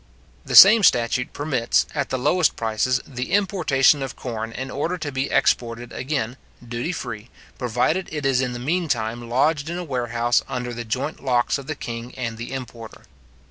The same statute permits, at the lowest prices, the importation of corn in order to be exported again, duty free, provided it is in the mean time lodged in a warehouse under the joint locks of the king and the importer.